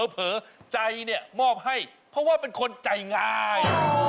เผลอใจเนี่ยมอบให้เพราะว่าเป็นคนใจง่าย